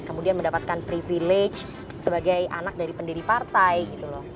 kemudian mendapatkan privilege sebagai anak dari pendiri partai gitu loh